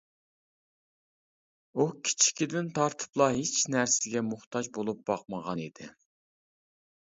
ئۇ كىچىكىدىن تارتىپلا ھېچ نەرسىگە موھتاج بولۇپ باقمىغان ئىدى.